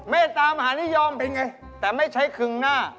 ใม่ตามหานิยมแต่ไม่ใช้คึงหน้าแต่ไม่ใช้คึงหน้า